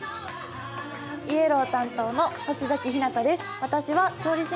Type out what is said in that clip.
イエロー担当の星咲ひなたです。